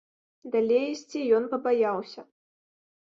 Далей ісці ён пабаяўся.